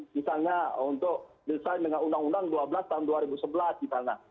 misalnya untuk desain dengan undang undang dua belas tahun dua ribu sebelas misalnya